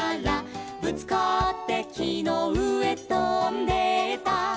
「ぶつかってきのうえとんでった」